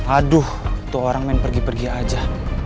aduh tuh orang main pergi pergi aja